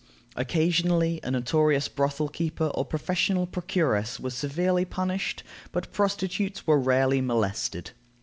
Occasionally a notorious brothel keeper or professional procuress was severely punished, but prostitutes were rarely molested.